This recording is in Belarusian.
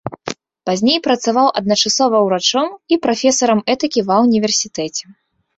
Пазней працаваў адначасова ўрачом і прафесарам этыкі ва ўніверсітэце.